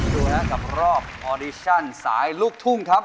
ดูแล้วกับรอบออดิชั่นสายลูกทุ่งครับ